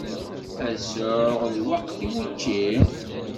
Ad sɛuɣ lweqt i wučči?